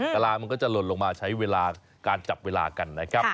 กระลานี่มันก็จะหล่นลงมาใช้เวลาการจับเวลากัน